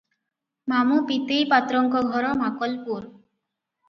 ମାମୁ ପୀତେଇ ପାତ୍ରଙ୍କ ଘର ମାକଲପୁର ।